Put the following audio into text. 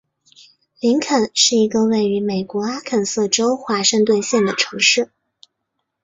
林肯是一个位于美国阿肯色州华盛顿县的城市。